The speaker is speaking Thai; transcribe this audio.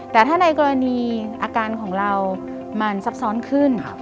แต่ถ้าในกรณีอาการของเรามันซับซ้อนขึ้น